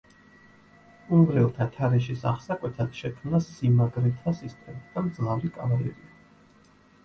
უნგრელთა თარეშის აღსაკვეთად შექმნა სიმაგრეთა სისტემა და მძლავრი კავალერია.